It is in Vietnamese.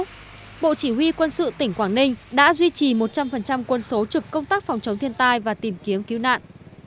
trước đó bộ chỉ huy quân sự tỉnh quảng ninh đã duy trì một trăm linh quân số trực công tác phòng chống thiên tai và tìm kiếm cứu nạn